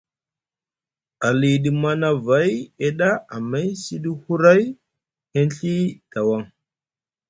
Aliɗi Manavay eɗa amay sɗi huray aŋ Ɵi dawaŋ.